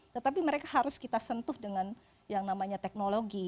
tetapi mereka harus kita sentuh dengan yang namanya teknologi